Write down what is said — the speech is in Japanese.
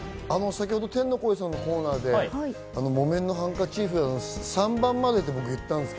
先ほど天の声のコーナーで『木綿のハンカチーフ』のところで３番までとおっしゃったんですけ